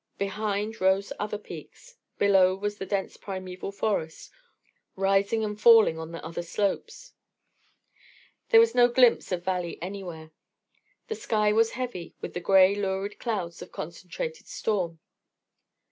Behind rose other peaks, below was the dense primeval forest, rising and falling on other slopes. There was no glimpse of valley anywhere. The sky was heavy with the grey lurid clouds of concentrated storm.